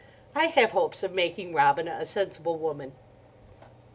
I have hopes of making Robina a sensible woman.